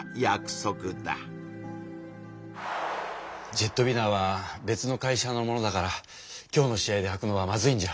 ジェットウィナーは別の会社のものだから今日の試合ではくのはまずいんじゃ？